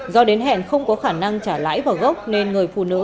do đến hẹn không có khả năng trả lãi vào gốc nên người phụ nữ